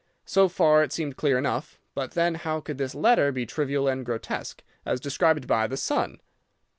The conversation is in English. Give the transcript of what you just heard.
So far it seemed clear enough. But then how could this letter be trivial and grotesque, as described by the son?